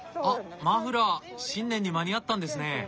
あっマフラー新年に間に合ったんですね！